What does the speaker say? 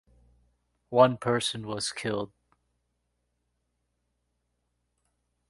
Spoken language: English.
One person was killed.